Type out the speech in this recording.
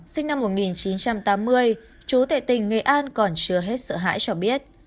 sinh năm một nghìn chín trăm tám mươi chú tại tỉnh nghệ an còn chưa hết sợ hãi cho biết